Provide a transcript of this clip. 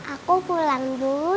aku pulang dulu